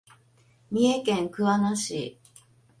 三重県桑名市